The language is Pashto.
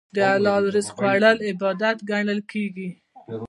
د حلال رزق خوړل عبادت ګڼل کېږي.